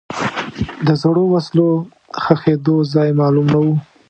د زړو وسلو ښخېدو ځای معلوم نه و.